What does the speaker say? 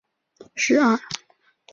毕业于辽宁省委党校法学专业。